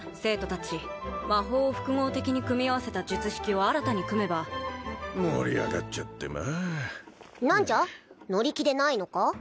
達魔法を複合的に組み合わせた術式を新たに組めば盛り上がっちゃってまあ何じゃ乗り気でないのか？